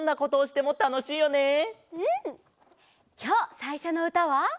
きょうさいしょのうたは。